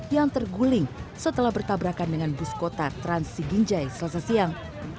yang terguling setelah bertabrakan dengan bus kota trans siginjai selasa siang